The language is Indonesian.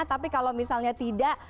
tapi kalau misalnya tidak